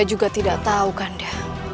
saya juga tidak tahu kanda